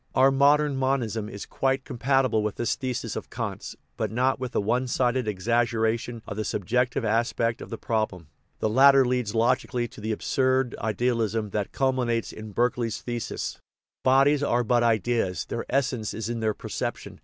Our modern monism is quite compatible with this thesis of Kant's, but not with the one sided exaggeration of the subjective aspect of the problem ; the latter leads logically to the absurd ideal ism that culminates in Berkeley's thesis, " Bodies are but ideas; their essence is in their perception."